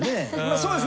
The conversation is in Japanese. そうです。